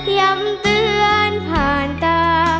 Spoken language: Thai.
ย้ำเตือนผ่านตา